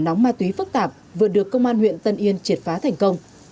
hai điểm nóng ma túy phức tạp vừa được công an huyện tân yên triệt phá thành công